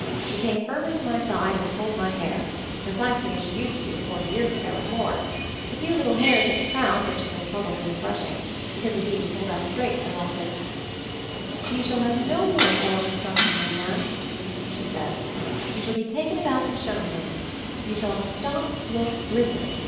She came firmly to my side and pulled my hair — pre cisely as she used to do forty years ago and more — the few little hairs at the crown which still troubled me in brushing — because of be ing pulled out straight so often. MOVING THE MOUNTAIN 209 "You shall have no more oral instruction, young man," said she. "You shall be taken about and shown things; you shall 'Stop! Look! Listen!'